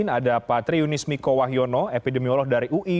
ada pak triunismi kowahiono epidemiolog dari ui